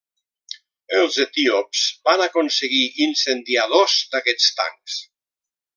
Els etíops van aconseguir incendiar dos d'aquests tancs.